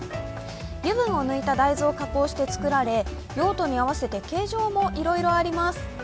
油分を抜いた大豆を加工して作られ用途に合わせて形状もいろいろあります。